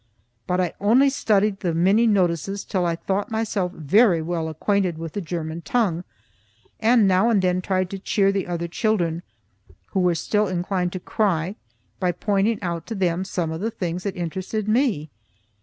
But I only studied the many notices till I thought myself very well acquainted with the German tongue; and now and then tried to cheer the other children, who were still inclined to cry, by pointing out to them some of the things that interested me.